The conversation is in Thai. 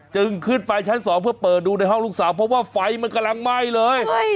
จึงขึ้นไปชั้น๒เพื่อเปิดดูในห้องลูกสาวเพราะว่าไฟมันกำลังไหม้เลย